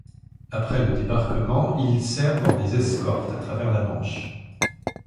Après le débarquement, il sert dans des escortes à travers la Manche.